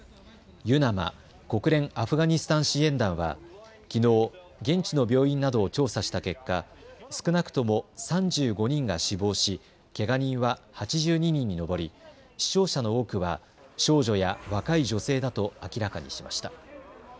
ＵＮＡＭＡ・国連アフガニスタン支援団はきのう、現地の病院などを調査した結果、少なくとも３５人が死亡しけが人は８２人に上り死傷者の多くは少女や若い女性だと明らかにしました。